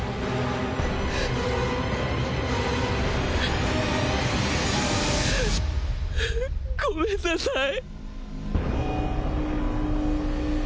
っごめんなさい。